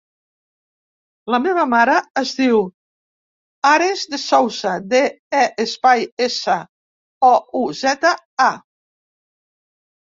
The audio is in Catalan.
La meva mare es diu Ares De Souza: de, e, espai, essa, o, u, zeta, a.